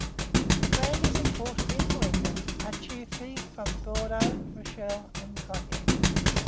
The brandies imported into England are chiefly from Bordeaux, Rochelle, and Cognac.